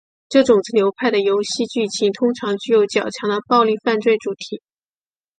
这种子流派的游戏剧情通常具有较强的暴力犯罪主题。